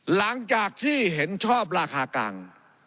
หลังจากที่เห็นชอบราคากลาง